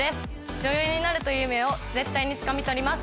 女優になるという夢を絶対につかみ取ります